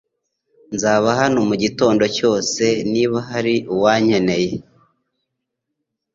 Nzaba hano mugitondo cyose niba hari uwankeneye.